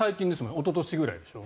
おととしぐらいでしょう？